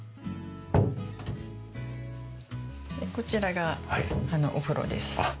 でこちらがお風呂です。